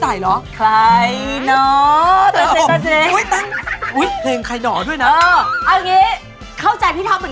เอารุ่นเธอไม่ใส่เหรอ